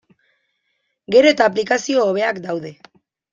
Gero eta aplikazio hobeak daude.